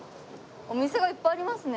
お店がいっぱいありますね。